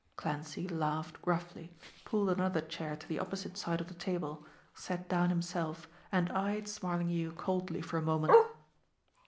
Clancy laughed gruffly, pulled another chair to the opposite side of the table, sat down himself, and eyed Smarlinghue coldly for a moment.